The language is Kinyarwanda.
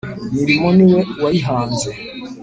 imirimo ni we wayihanze